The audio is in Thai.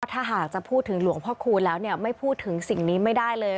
ถ้าหากจะพูดถึงหลวงพ่อคูณแล้วไม่พูดถึงสิ่งนี้ไม่ได้เลย